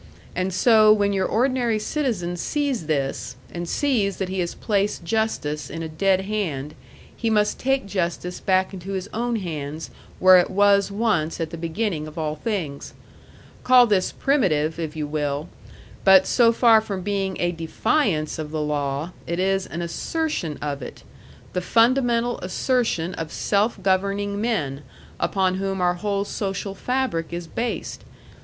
And so when your ordinary citizen sees this, and sees that he has placed justice in a dead hand, he must take justice back into his own hands where it was once at the beginning of all things. Call this primitive, if you will. But so far from being a DEFIANCE of the law, it is an ASSERTION of it the fundamental assertion of self governing men, upon whom our whole social fabric is based.